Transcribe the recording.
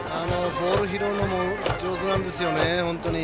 ボールを拾うのも上手なんですよね、本当に。